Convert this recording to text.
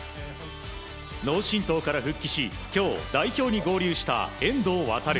脳震盪から復帰し今日代表に合流した遠藤航。